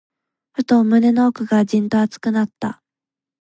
ふと、胸の奥がじんと熱くなった。